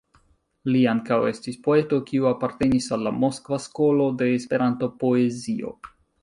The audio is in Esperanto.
Li ankaŭ estis poeto, kiu apartenis al la Moskva skolo de Esperanto-poezio.